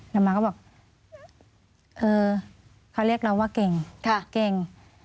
เรามาก็บอกเออเขาเรียกเราว่าเก่ง